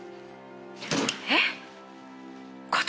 えっ！？